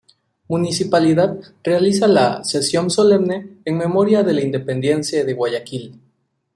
Municipalidad realiza la "Sesión Solemne" en memoria de la independencia de Guayaquil.